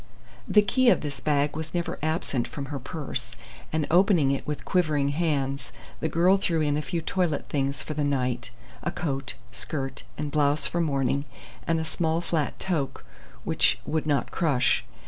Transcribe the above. The key of this bag was never absent from her purse, and opening it with quivering hands, the girl threw in a few toilet things for the night, a coat, skirt, and blouse for morning, and a small flat toque which would not crush.